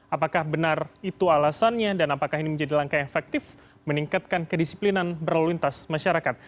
apakah benar itu alasannya dan apakah ini menjadi langkah yang efektif meningkatkan kedisiplinan berlalu lintas masyarakat